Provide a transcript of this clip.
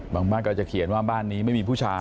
บ้านก็จะเขียนว่าบ้านนี้ไม่มีผู้ชาย